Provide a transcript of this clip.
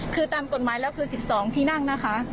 คือตามกฎหมายแล้วคือ๑๒ที่นั่งนะคะ